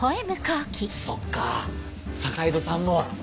そっか坂井戸さんも。